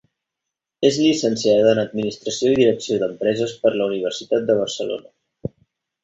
És llicenciada en Administració i Direcció d'Empreses per la Universitat de Barcelona.